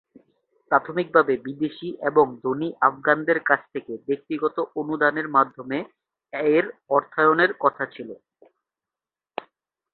প্রাথমিকভাবে বিদেশী এবং ধনী আফগানদের কাছ থেকে ব্যক্তিগত অনুদানের মাধ্যমে এর অর্থায়নের কথা ছিলো।